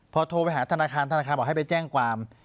พอโทรไปหาธนาคารธนาคารบอกให้ไปแจ้งความ